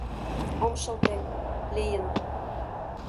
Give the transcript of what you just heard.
— Ом шылте, лийын.